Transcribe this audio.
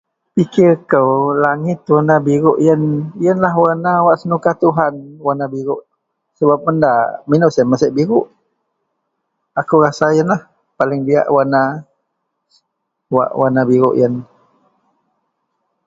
Pikir kou langit warna biruok ien. Ienlah warna wak senuka Tuhan, warna biruok sebab mun da mino siyen mesek biruok ako rasa iyenlah paling diyak warna, wak warna biruok iynen.